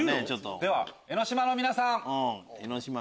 江の島の皆さん！